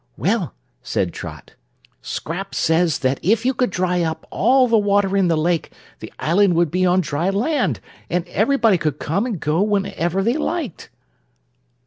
"Well," said Trot, "Scraps says that if you could dry up all the water in the lake the island would be on dry land, an' everyone could come and go whenever they liked."